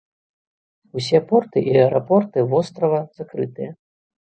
Усе порты і аэрапорты вострава закрытыя.